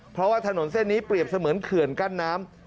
เพราะว่าถนนเส้นนี้เปรียบเสมือนเขื่อนกั้นน้ำ